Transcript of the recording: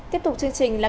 tiếp tục chương trình là